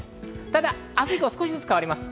ただ明日以降、少しずつ変わります。